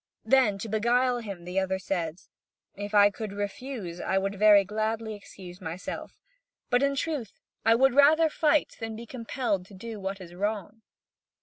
Then, to beguile him. the other says: "If I could refuse, I would very gladly excuse myself; but in truth I would rather fight than be compelled to do what is wrong."